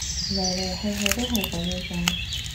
黎黎去去都係果幾種